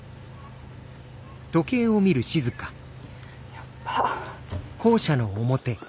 やっば！